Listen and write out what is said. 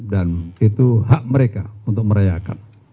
itu hak mereka untuk merayakan